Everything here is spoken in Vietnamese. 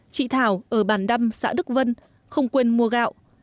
chị thảo ở bàn đâm xã đức vân không quên mua gạo